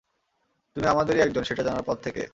তুমি আমাদেরই একজন, সেটা জানার পর থেকে?